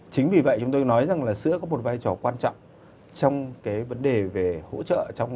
chính vì vậy chúng tôi nói rằng là sữa có một vai trò quan trọng trong cái vấn đề về hỗ trợ